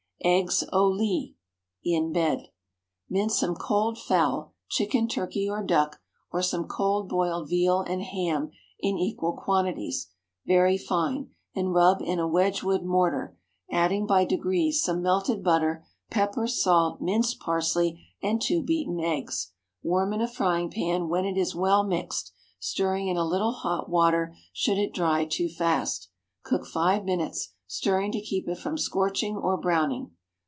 EGGS AU LIT (in bed). ✠ Mince some cold fowl—chicken, turkey, or duck (or some cold boiled veal and ham in equal quantities)—very fine, and rub in a Wedgewood mortar, adding by degrees some melted butter, pepper, salt, minced parsley, and two beaten eggs. Warm in a frying pan when it is well mixed, stirring in a little hot water should it dry too fast. Cook five minutes, stirring to keep it from scorching or browning.